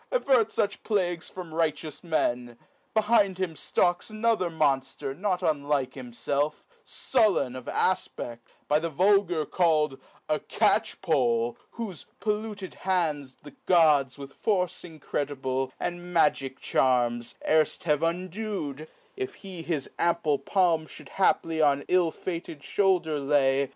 avert Such plagues from righteous men ;) behind him Another monfter not unlike himfelf, (ftalkj Sullen of afped, by the vulgar call'd A Catchpole, whofe polluted hands the gods With force incredible, and magic charms Erft have undu'd ; if he his ample palm Should haply on ill fated fhoulder lay 46 THE SPLENDID SHILLING.